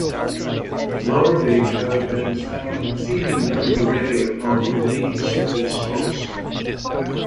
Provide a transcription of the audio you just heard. Larvae have been found feeding during the day upon the leaves of its host.